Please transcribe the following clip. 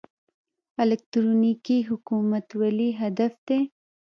الکترونیکي حکومتولي هدف دی